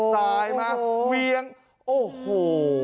สายมาเวียงโอ้โห